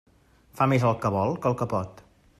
Fa més el que vol que el que pot.